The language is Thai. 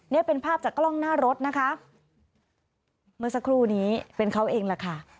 นี่เป็นภาพจากกล้องหน้ารถนะคะเมื่อสักครู่นี้เป็นเขาเองแหละค่ะ